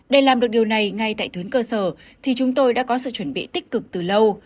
để làm được điều này ngay tại tuyến cơ sở thì chúng tôi đã có sự chuẩn bị tích cực từ lâu